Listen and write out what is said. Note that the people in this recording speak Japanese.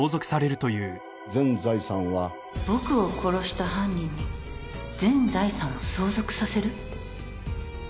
僕を殺した犯人に全財産を相続させる？